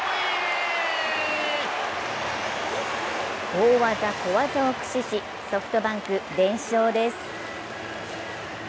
大技小技を駆使し、ソフトバンク連勝です。